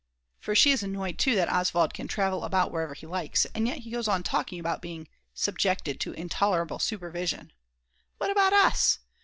For she is annoyed too that Oswald can travel about wherever he likes. And yet he goes on talking about being "subjected to intolerable supervision"!! What about us?